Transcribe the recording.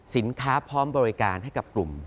สินค้าพร้อมบริการให้กับกลุ่ม